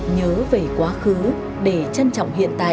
nhớ về quá khứ để trân trọng hiện tại